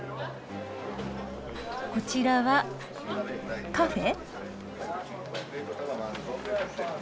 こちらはカフェ？